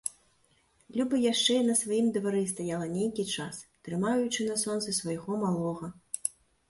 Люба яшчэ і на сваім двары стаяла нейкі час, трымаючы на сонцы свайго малога.